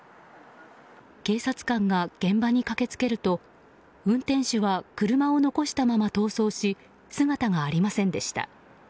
警察官が現場に駆けつけると運転手は車を残したまま逃走し姿がありませんでした。